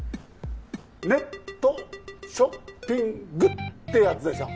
ネットショッピングってやつでしょ